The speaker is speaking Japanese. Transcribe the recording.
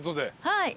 はい。